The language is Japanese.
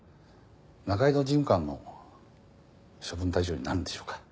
仲井戸事務官も処分対象になるんでしょうか？